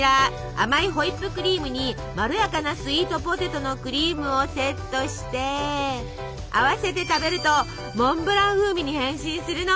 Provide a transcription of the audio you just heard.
甘いホイップクリームにまろやかなスイートポテトのクリームをセットして合わせて食べるとモンブラン風味に変身するの！